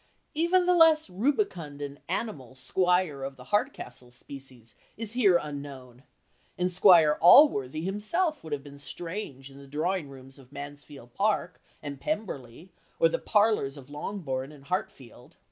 Even the less rubicund and animal squire of the Hardcastle species is here unknown, and Squire Allworthy himself would have been strange in the drawing rooms of Mansfield Park and Pemberley, or the parlours of Longbourn and Hartfield.